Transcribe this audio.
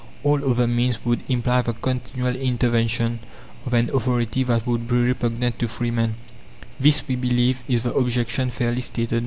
All other means would imply the continual intervention of an authority that would be repugnant to free men." This, we believe, is the objection fairly stated.